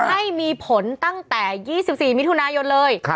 ให้มีผลตั้งแต่๒๔มิถุนายนเลย